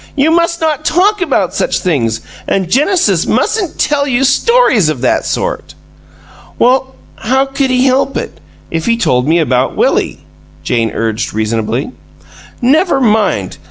"You must not talk about such things, and Genesis mustn't tell, you stories of that sort!" "Well, how could he help it, if he told me about Willie?" Jane urged, reasonably. "Never mind!